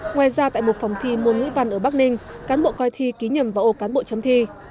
ngoài ra tại một phòng thi môn ngữ văn ở bắc ninh cán bộ coi thi ký nhầm vào ô cán bộ chấm thi